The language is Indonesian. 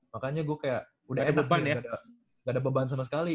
makanya gua kayak udah enak gak ada beban sama sekali